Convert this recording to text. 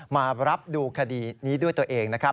มารับดูคดีนี้ด้วยตัวเองนะครับ